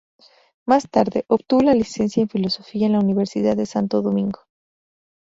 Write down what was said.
Más tarde, obtuvo la licenciatura en Filosofía en la Universidad de Santo Domingo.